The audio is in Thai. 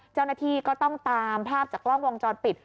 เจ้าหน้าที่ก็ต้องตามภาพจากกล้องวงจรปิด